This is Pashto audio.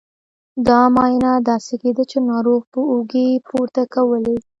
دا معاینه داسې کېده چې ناروغ به اوږې پورته کولې.